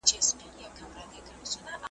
چي خپل کاروان مو د پردیو پر سالار سپارلی .